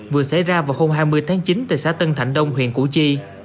vừa xảy ra vào hôm hai mươi tháng chín tại xã tân thạnh đông huyện củ chi